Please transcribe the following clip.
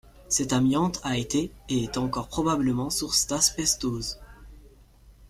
Cet amiante a été et est encore probablement source d'asbestose.